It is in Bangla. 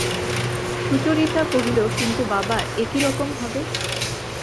সুচরিতা কহিল, কিন্তু বাবা, এ কী রকম হবে!